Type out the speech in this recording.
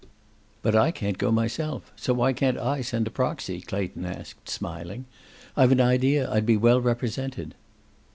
"But I can't go myself, so why can't I send a proxy?" Clayton asked, smiling. "I've an idea I'd be well represented."